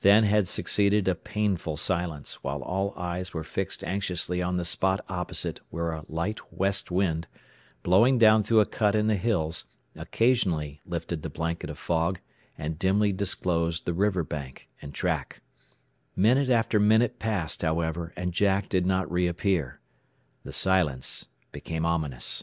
Then had succeeded a painful silence, while all eyes were fixed anxiously on the spot opposite where a light west wind, blowing down through a cut in the hills, occasionally lifted the blanket of fog and dimly disclosed the river bank and track. Minute after minute passed, however, and Jack did not reappear. The silence became ominous.